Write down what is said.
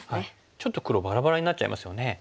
ちょっと黒バラバラになっちゃいますよね。